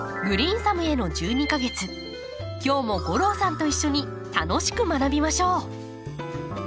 今日も吾郎さんと一緒に楽しく学びましょう。